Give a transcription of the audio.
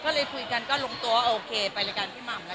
ก็เลยคุยกันก็ลงตัวว่าโอเคไปรายการพี่หม่ำแล้ว